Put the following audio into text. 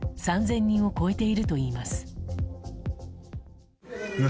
３０００人を超えているといいます。